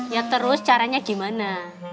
ya terus caranya gimana